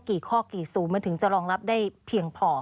กี่ข้อกี่ศูนย์มันถึงจะรองรับได้เพียงพอ